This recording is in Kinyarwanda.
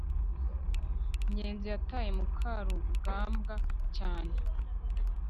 ngenzi yataye mukarugambwa cyane